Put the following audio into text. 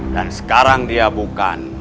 dan sekarang dia bukan